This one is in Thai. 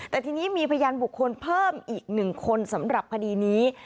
แต่ทีนี้มีพยานบุคคลเพิ่มอีก๑คนสำหรับคดีนี้